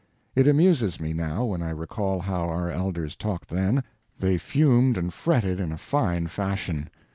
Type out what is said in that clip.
It amuses me now when I recall how our elders talked then. They fumed and fretted in a fine fashion.